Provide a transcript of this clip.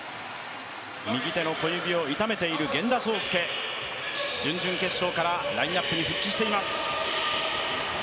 右手の小指を痛めている源田壮亮、準々決勝からラインナップに復帰しています。